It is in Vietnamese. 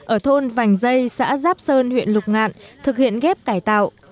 ở thôn vành dây xã giáp sơn huyện lục ngạn thực hiện ghép cải tạo